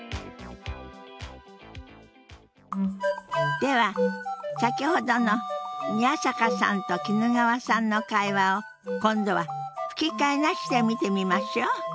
では先ほどの宮坂さんと衣川さんの会話を今度は吹き替えなしで見てみましょう。